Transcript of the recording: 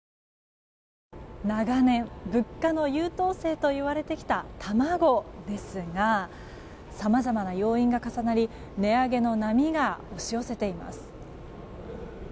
長年、物価の優等生といわれてきた卵ですがさまざまな要因が重なり値上げの波が押し寄せています。